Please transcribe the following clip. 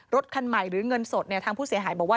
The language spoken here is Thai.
รถคันใหม่หรือเงินสดเนี่ยทางผู้เสียหายบอกว่า